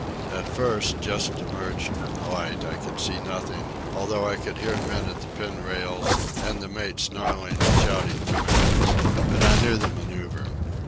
At first, just emerged from the light, I could see nothing, although I could hear men at the pin rails and the mate snarling and shouting commands. But I knew the manoeuvre.